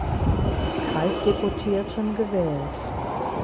Kreisdeputierten gewählt.